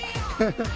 ハハハハ。